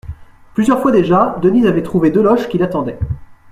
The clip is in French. Plusieurs fois déjà, Denise avait trouvé Deloche qui l'attendait.